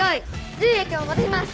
髄液を戻します。